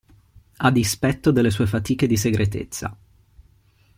A dispetto delle sue fatiche di segretezza.